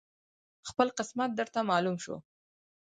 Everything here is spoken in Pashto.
خپل قسمت درته معلوم شو